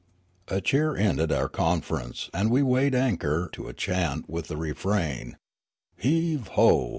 A cheer ended our conference, and we weighed anchor to a new chant with the refrain " Heave ho!